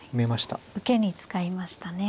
受けに使いましたね。